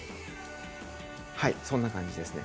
そんな感じですね。